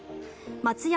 松屋